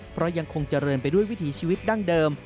เพราะยังคงเจริญไปด้วยวิถีชีวิตดั้งเดิม